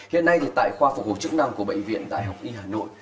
hiện nay thì tại khoa phục hồi chức năng của bệnh viện đại học y hà nội